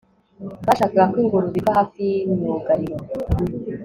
bashakaga ko ingurube iva hafi y'imyugariro